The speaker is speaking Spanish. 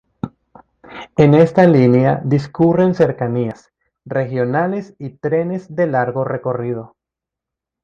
En esta línea discurren cercanías, regionales y trenes de largo recorrido.